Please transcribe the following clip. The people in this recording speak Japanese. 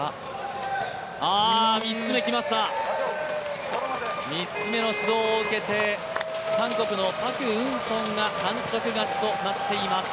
３つめきました、３つ目の指導を受けて韓国のパク・ウンソンが反則勝ちとなっています。